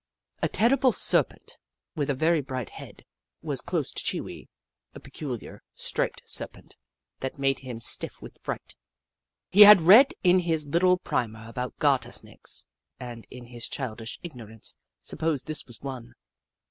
A terrible serpent, with a very bright head, was close to Chee Wee ; a peculiar, striped serpent that made him stiff with fright. He had read in his little primer about garter snakes, and in his childish ignorance supposed this was one.